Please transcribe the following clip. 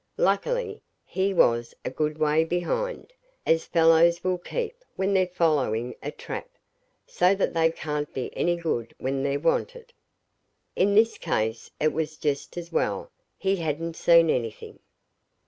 Luckily, he was a good way behind, as fellows will keep when they're following a trap, so that they can't be any good when they're wanted. In this case it was just as well. He hadn't seen anything.